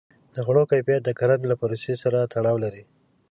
د خوړو کیفیت د کرنې له پروسې سره تړاو لري.